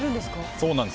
そうなんです。